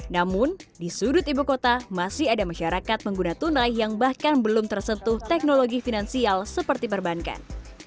namun di sudut ibu kota masih ada masyarakat pengguna tunai yang bahkan belum tersentuh teknologi finansial seperti perbankan